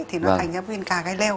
thì nó thành cái viên cà gai leo